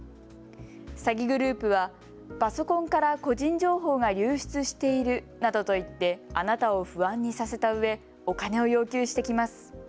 詐欺グル−プはパソコンから個人情報が流出しているなどと言ってあなたを不安にさせたうえお金を要求してきます。